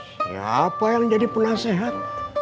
siapa yang jadi penasehat